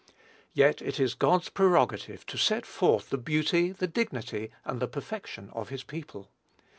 Yet it is God's prerogative to set forth the beauty, the dignity, and the perfection of his people.